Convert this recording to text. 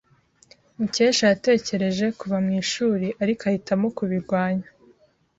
Mukesha yatekereje kuva mu ishuri, ariko ahitamo kubirwanya.